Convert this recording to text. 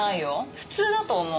普通だと思う。